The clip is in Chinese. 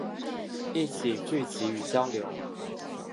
一起聚集与交流